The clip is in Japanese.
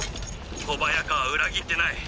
「小早川は裏切ってない。